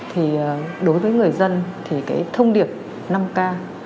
thì đối với người dân thì cái thông điệp năm k